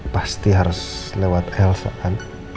pasti harus lewat elsa kan